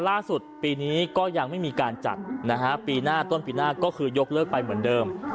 ล่าสุดปีนี้ก็ยังไม่มีการจัดนะฮะปีหน้าต้นปีหน้าก็คือยกเลิกไปเหมือนเดิม